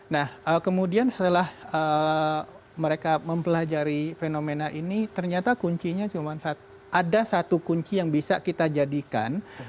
nah kemudian setelah mereka mempelajari fenomena ini ternyata kuncinya cuma ada satu kunci yang bisa kita jadikan